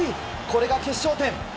これが決勝点。